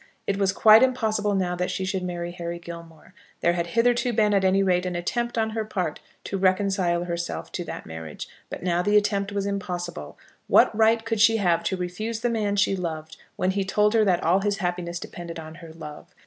It was quite impossible now that she should marry Harry Gilmore. There had hitherto been at any rate an attempt on her part to reconcile herself to that marriage; but now the attempt was impossible. What right could she have to refuse the man she loved when he told her that all his happiness depended on her love!